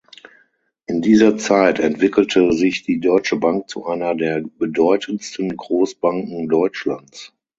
In dieser Zeit entwickelte sich die Deutsche Bank zu einer der bedeutendsten Großbanken Deutschlands.